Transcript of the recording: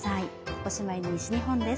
おしまいに西日本です。